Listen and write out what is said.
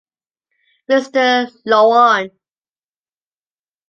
Mister Louarn